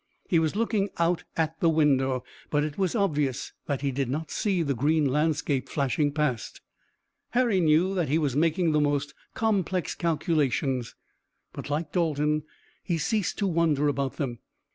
He was looking out at the window, but it was obvious that he did not see the green landscape flashing past. Harry knew that he was making the most complex calculations, but like Dalton he ceased to wonder about them.